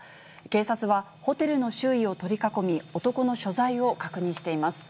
警察はホテルの周囲を取り囲み、男の所在を確認しています。